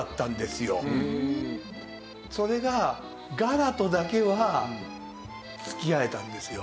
それがガラとだけは付き合えたんですよ。